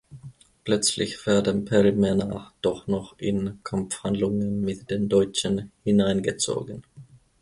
Plötzlich werden Perry Männer doch noch in Kampfhandlungen mit den Deutschen hineingezogen.